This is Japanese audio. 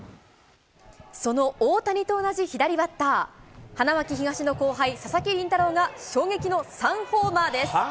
その大谷と同じ左バッター、花巻東の後輩、佐々木麟太郎が、衝撃の３ホーマーです。